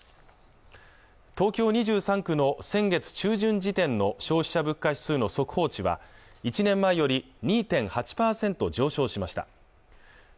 東京２３区の先月中旬時点の消費者物価指数の速報値は１年前より２．８％上昇しました